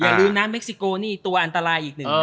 อย่าลืมนะเม็กซิโกนี่ตัวอันตรายอีกหนึ่ง